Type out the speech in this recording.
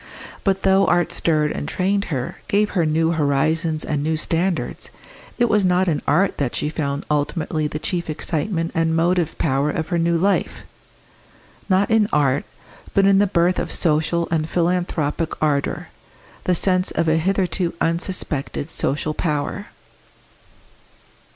But though art stirred and trained her, gave her new horizons and new standards, it was not in art that she found ultimately the chief excitement and motive power of her new life not in art, but in the birth of social and philanthropic ardour, the sense of a hitherto unsuspected social power.